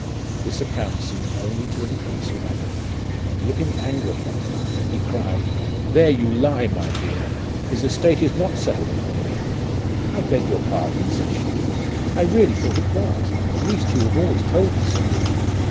This account seemed only to increase his agony, and looking angrily at her, he cried, ' There you lie, my dear, his estate is not settled upon me.' ' I beg your pardon,' says she, ' I really thought it was, at least you have always told me so.'